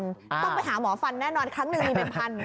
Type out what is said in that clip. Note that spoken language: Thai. ต้องไปหาหมอฟันแน่นอนครั้งหนึ่งมีเป็นพัน